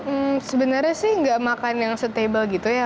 hmm sebenarnya sih nggak makan yang setable gitu ya